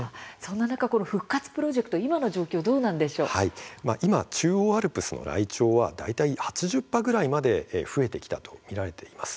この復活プロジェクト今の状況は中央アルプスのライチョウは今８０羽ぐらいまで増えてきたと見られています。